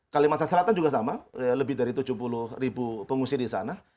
kalimantan selatan juga sama lebih dari tujuh puluh ribu pengungsi di sana